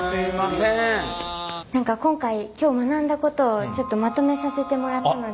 何か今回今日学んだことをちょっとまとめさせてもらったので。